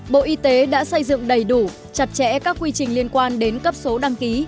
bộ y tế đã xây dựng đầy đủ chặt chẽ các quy trình liên quan đến cấp số đăng ký